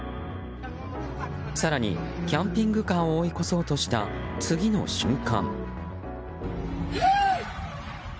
更に、キャンピングカーを追い越そうとした次の瞬間。